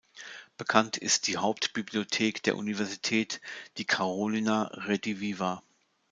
Bekannt ist die Hauptbibliothek der Universität, die Carolina Rediviva.